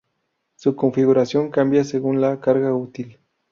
Su configuración cambiaba según la carga útil.